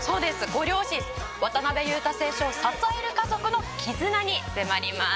ご両親」「渡邊雄太選手を支える家族の絆に迫ります」